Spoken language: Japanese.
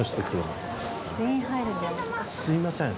すみません。